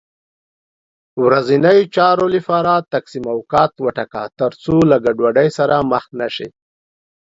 ورځنیو چارو لپاره تقسیم اوقات وټاکه، تر څو له ګډوډۍ سره مخ نه شې